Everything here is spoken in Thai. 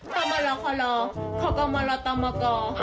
เขามารอขอรอเขาก็มารอต่อมาก่อ